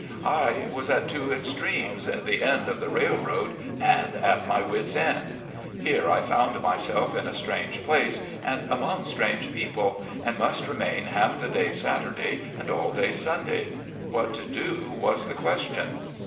I was at two extremes, the end of the rail road and at my wits' end. Here I found myself in a strange place and among strange people, and must IX MAXY FIELDS. 123 remain half the day Saturday, and all day Sunday. What to do was the question